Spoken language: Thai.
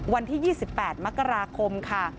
วันที่๒๘มกราคมค่ะ